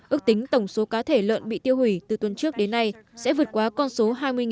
ước tính tổng số cá thể lợn bị tiêu hủy từ tuần trước đến nay sẽ vượt qua con số hai mươi